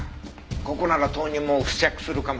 ここなら豆乳も付着するかもしれない。